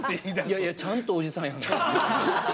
いやいやちゃんとおじさんやの。